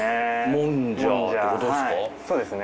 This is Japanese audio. もんじゃってことっすか？